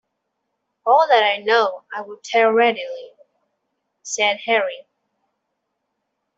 "All that I know I will tell readily," said Harry.